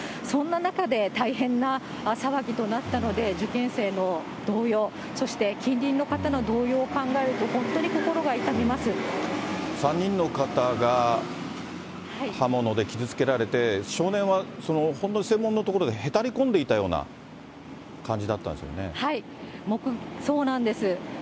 そんな中で大変な騒ぎとなったので、受験生の動揺、そして近隣の方の動揺を考えると、本当に心が痛み３人の方が刃物で傷つけられて、少年は、正門の所でへたり込んでいたような感じだったんですよね。